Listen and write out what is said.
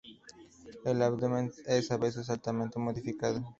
El abdomen es a veces altamente modificado.